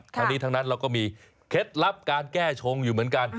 ทั้งนี้ทั้งนั้นเราก็มีเคล็ดลับการแก้ชงอยู่เหมือนกัน